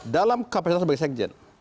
dalam kapasitas sebagai sekjen